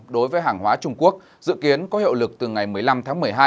đối với hàng hóa trung quốc dự kiến có hiệu lực từ ngày một mươi năm tháng một mươi hai